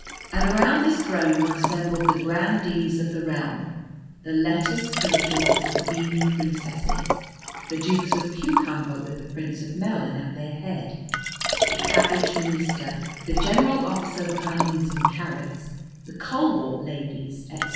And around this throne were assembled the grandees of the realm; the Lettuce Princes with the Bean Princesses, the Dukes of Cucumber with the Prince of Melon at their head, the Cabbage Minister, the General Officer of Onions and Carrots, the Colewort ladies, etc.